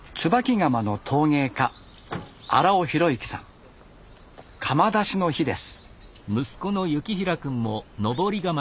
窯出しの日です。